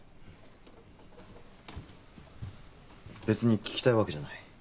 別に聞きたいわけじゃない。